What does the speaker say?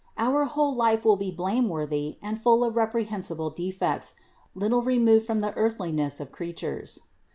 Our whole life will be blameworthy and full of reprehensible defects, little re moved from the earthliness of creatures.